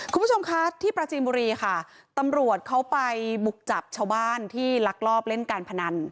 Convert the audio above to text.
คุณผู้ชมคะที่ปราจีนบุรีค่ะตำรวจเขาไปบุกจับชาวบ้านที่ลักลอบเล่นการพนัน